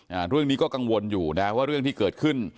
อ่าเรื่องนี้ก็กังวลอยู่นะว่าเรื่องที่เกิดขึ้น